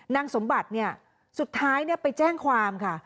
นางสมบัติเนี่ยสุดท้ายไปแจ้งความค่ะ